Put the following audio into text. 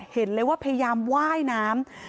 เห็นเลยว่าพยายามไหว้น้ำ